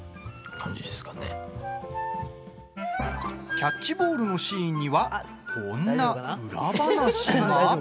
キャッチボールのシーンにはこんな裏話が。